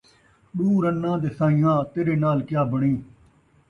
ݙو رناں دے سئیں آں ، تیݙے نال کیا بݨی ؟